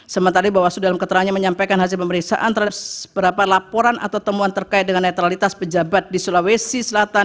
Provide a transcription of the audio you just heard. sementara bawaslu dalam keterangannya menyampaikan hasil pemeriksaan terhadap beberapa laporan atau temuan terkait dengan netralitas pejabat di sulawesi selatan